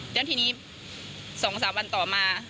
แล้วทีนี้๒๓วันต่อมา